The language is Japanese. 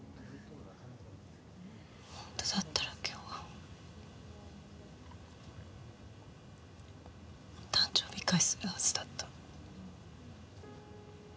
ホントだったら今日お誕生日会するはずだった